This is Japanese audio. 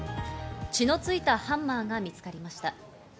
血のついたハンマーが見つかりました。